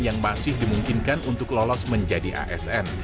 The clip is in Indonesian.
yang masih dimungkinkan untuk lolos menjadi asn